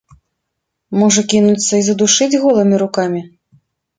Можа, кінуцца і задушыць голымі рукамі?